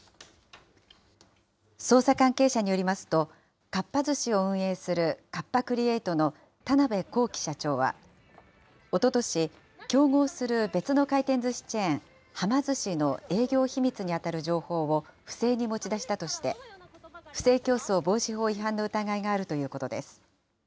捜査関係者によりますと、かっぱ寿司を運営するカッパ・クリエイトの田邊公己社長は、おととし、競合する別の回転ずしチェーン、はま寿司の営業秘密に当たる情報を不正に持ち出したとして、不正競争防止法違反の疑いがあるということです。